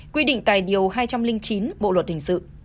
quy định tài điều hai trăm linh chín bộ luật hình sự